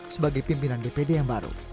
sebagai pimpinan dpd yang baru